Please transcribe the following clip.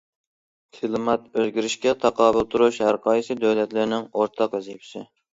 كىلىمات ئۆزگىرىشىگە تاقابىل تۇرۇش ھەرقايسى دۆلەتلەرنىڭ ئورتاق ۋەزىپىسى.